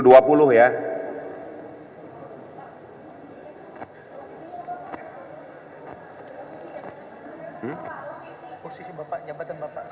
posisi bapak nyambatan bapak